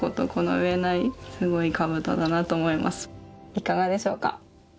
いかがでしょうか？